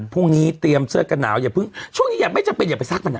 พรุ่งนี้เตรียมเสื้อกันหนาวช่วงนี้อย่าไปจับเป็นอย่าไปซักมันอ่ะ